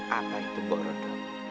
apa itu bu rondo